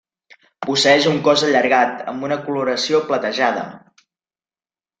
Posseeix un cos allargat, amb una coloració platejada.